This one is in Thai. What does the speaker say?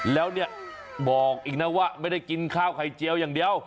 แล้วเนี่ยบอกอีกนะว่าไม่ได้กินข้าวไข่เจียวอย่างเดียว